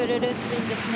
いいですね。